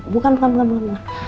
bukan bukan bukan